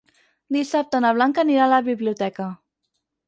Dissabte na Blanca anirà a la biblioteca.